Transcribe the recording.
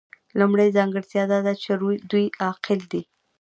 لومړۍ ځانګړتیا دا ده چې دوی عاقل دي.